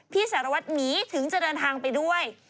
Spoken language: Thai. สารวัตรหมีถึงจะเดินทางไปด้วย